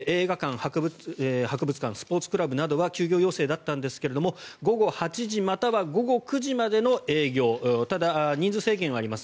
映画館、博物館スポーツクラブなどは休業要請だったんですが午後８時または午後９時までの営業ただ、人数制限はあります。